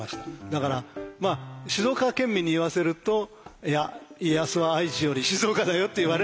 だから静岡県民に言わせると「いや家康は愛知より静岡だよ」って言われるんだけど。